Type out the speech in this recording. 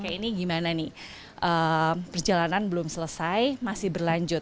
kayak ini gimana nih perjalanan belum selesai masih berlanjut